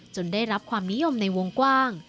ได้รับความนิยมในวงกว้าง